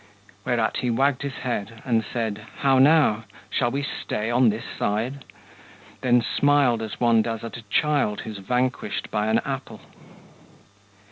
Whereat he wagged his head, and said: "How now? Shall we stay on this side?" then smiled as one Does at a child who's vanquished by an apple.